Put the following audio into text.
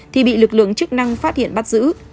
thì bị lực lượng chức năng phát hiện bắt giữ